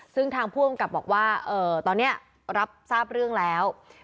ซึ่งทางผู้กำกับบอกว่าตอนนี้รับทราบเรื่องแล้ว